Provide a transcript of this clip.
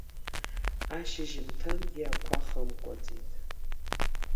Ашьжьымҭангьы ақәа хымкәаӡеит.